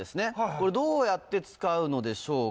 これどうやって使うのでしょうか？